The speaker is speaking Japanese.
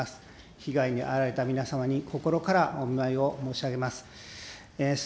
被害に遭われた皆様に心からお見舞いを申し上げます。